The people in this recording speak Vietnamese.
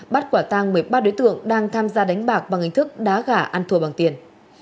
bắt quả tang một mươi ba đối tượng đang tham gia đánh bạc bằng hình thức đá gà ăn thua bằng tiền